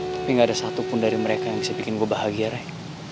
tapi gak ada satupun dari mereka yang bisa bikin gue bahagia deh